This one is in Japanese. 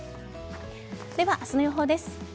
では、明日の予報です。